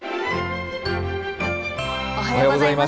おはようございます。